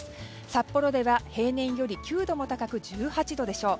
札幌では平年より９度も高く１８度でしょう。